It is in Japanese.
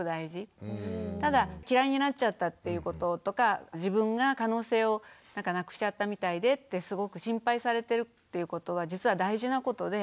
ただ嫌いになっちゃったっていうこととか自分が可能性をなくしちゃったみたいでってすごく心配されてるっていうことは実は大事なことで。